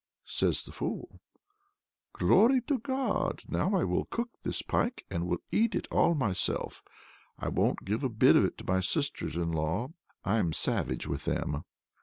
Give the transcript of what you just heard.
Says the fool: "Glory to God! now I will cook this pike, and will eat it all myself; I won't give a bit of it to my sisters in law. I'm savage with them!"